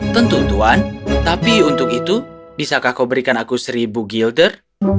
tentu tuhan tapi untuk itu bisakah kau berikan aku seribu gilder